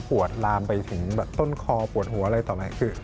ปวดลามไปถึงต้นคอปวดหัวอะไรต่อไป